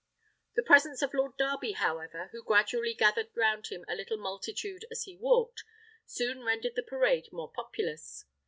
The presence of Lord Darby, however, who gradually gathered round him a little multitude as he walked, soon rendered the parade more populous.